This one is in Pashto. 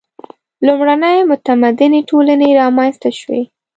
• لومړنۍ متمدنې ټولنې رامنځته شوې.